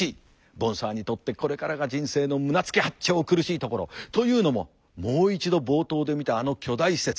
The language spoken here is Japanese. ボンサーにとってこれからが人生の胸突き八丁苦しいところ。というのももう一度冒頭で見たあの巨大施設。